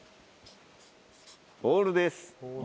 ボールです。